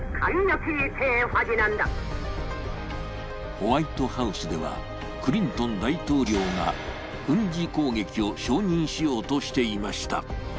ホワイトハウスではクリントン大統領が軍事攻撃を承認しようとしていました。